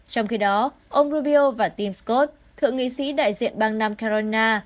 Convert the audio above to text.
trong khi đó ông rubio và tim scott thượng nghị sĩ đại diện bang nam carona